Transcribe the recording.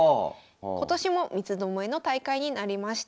今年も三つどもえの大会になりました。